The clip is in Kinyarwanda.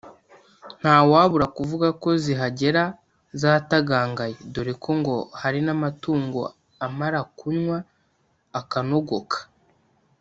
nta wabura kuvuga ko zihagera zatagangaye dore ko ngo hari n’amatungo amara kunywa akanogoka